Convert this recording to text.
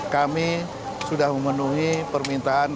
kami sudah memenuhi permintaan